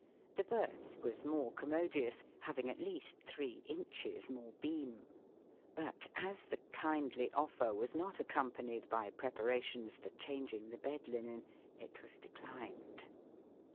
The berth was more commodious, having at least three inches more beam. But as the kindly offer was not accompanied by preparations for changing the bed linen, it was declined.